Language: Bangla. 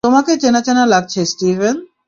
তোমাকে চেনা চেনা লাগছে, স্টিভেন।